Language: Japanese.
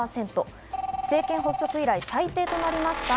政権発足以来、最低となりました。